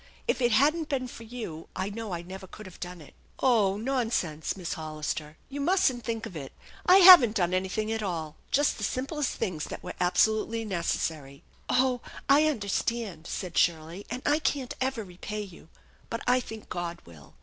If it hadn't been for you I know I never could have done it/' " Oh, nonsense, Miss Hollister ! You mustn't think of it, I haven't done anything at all, just the simplest things that were absolutely necessary." " Oh, I understand," said Shirley ;" and I can't ever re pay you, but I think God will.